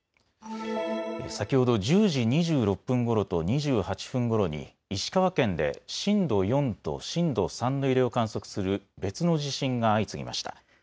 先ほど１０時２６分ごろと２８分ごろに石川県で震度４と震度３の揺れを観測する別の地震が相次ぎました。